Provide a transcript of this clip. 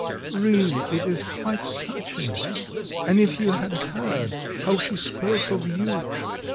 Really, it is quite touching. And if you had heard how she spoke of you!